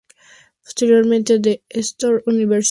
Posteriormente The Stanford University adquirió su archivo.